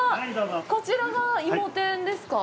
こちらが、いも天ですか？